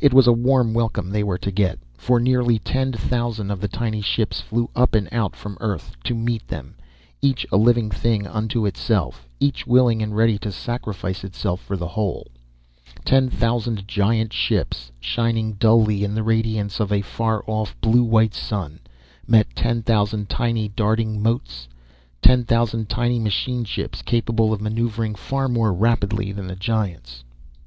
It was a warm welcome they were to get, for nearly ten thousand of the tiny ships flew up and out from Earth to meet them, each a living thing unto itself, each willing and ready to sacrifice itself for the whole. Ten thousand giant ships, shining dully in the radiance of a far off blue white sun, met ten thousand tiny, darting motes, ten thousand tiny machine ships capable of maneuvering far more rapidly than the giants.